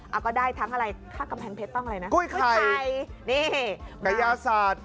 เอาก็ได้ทั้งอะไรค่ากำแพงเพชรต้องอะไรนะกุ้ยเข้าใจนี่กระยาศาสตร์